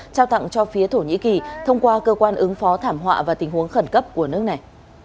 trao tặng cho phía thổ nhĩ kỳ thông qua cơ quan ứng phó thảm họa và tình huống khẩn cấp của nước này